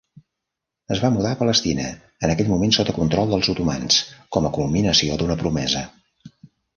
Es va mudar a Palestina, en aquell moment sota control dels Otomans, com a culminació d'una promesa.